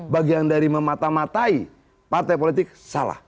bagian dari memata matai partai politik salah